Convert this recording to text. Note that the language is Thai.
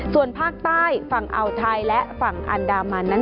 ส่วนภาคใต้ฝั่งอ่าวไทยและฝั่งอันดามันนั้น